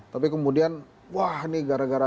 tapi kemudian wah ini gara gara